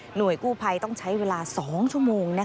หน่วยกู้ไพรต้องใช้เวลา๒ชั่วโมง